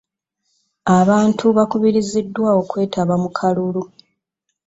Abantu bakubiriziddwa okwetaba mu kalulu.